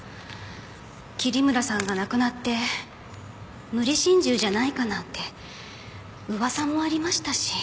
桐村さんが亡くなって無理心中じゃないかなんて噂もありましたし。